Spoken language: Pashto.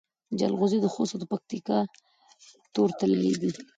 جلغوزي د خوست او پکتیا تور طلایی دي